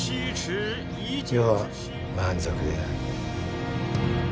余は満足である。